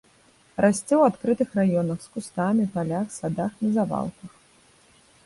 Расце ў адкрытых раёнах з кустамі, палях, садах, на звалках.